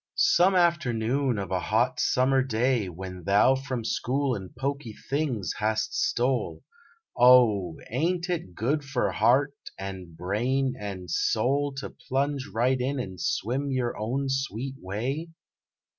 Some afternoon of a hot summer day When thou from school and poky things hast stole, 41 SONNETS OF A BUDDING BARD Oh, ain t it good for heart and brain and soul To plunge right in and swim your own sweet way?